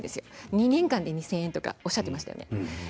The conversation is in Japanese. ２年間で２０００円とおっしゃっていましたよね。